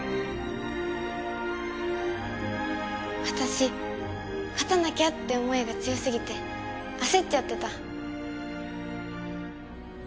私勝たなきゃって思いが強すぎて焦っちゃってた。